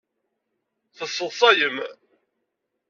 Tesseḍṣayem.